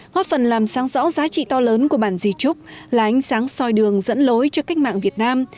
góp phần làm sáng rõ giá trị to lớn của bản di trúc là ánh sáng soi đường dẫn lối cho cách mạng việt nam